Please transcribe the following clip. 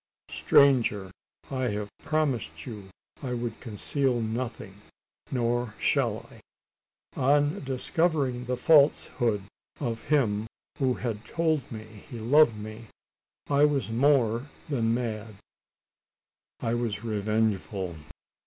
"Stranger! I have promised you I would conceal nothing; nor shall I. On discovering the falsehood of him who had told me he loved me, I was more than mad I was revengeful.